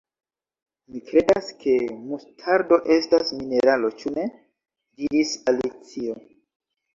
"Mi kredas ke mustardo estas mineralo, ĉu ne?" diris Alicio.